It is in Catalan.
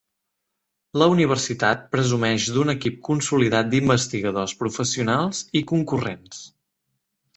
La universitat presumeix d'un equip consolidat d'investigadors professionals i concurrents.